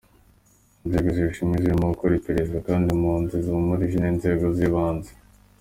Inzego zibishinzwe zirimo gukora iperereza kandi impunzi zahumurijwe n’inzego z’ibanze.